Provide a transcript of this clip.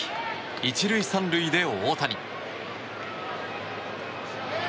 １塁３塁で大谷。